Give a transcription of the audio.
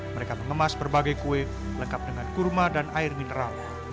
mereka mengemas berbagai kue lengkap dengan kurma dan air mineral